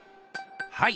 はい。